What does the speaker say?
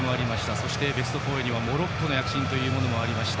そしてベスト４にはモロッコの躍進もありました。